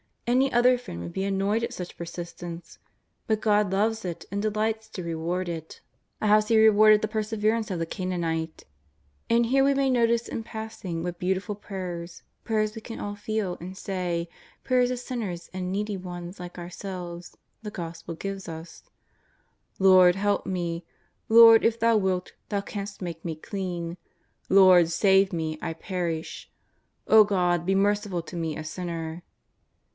Any other friend would be annoyed at such persistence, but God loves it and delights to reward it. JESUS OF NAZARETH. 281 as He rewarded the perseverance of the Canaanite. And here we may notice in passing what beautiful prayers, prayers we can all feel and say, prayers of sin ners and needy ones like ourselves, the Gospel gives us: " Lord, help me !"" Lord, if Thou wilt Thou canst make me clean." " Lord, save me, I perish !"" O God, be merciful to me, a sinner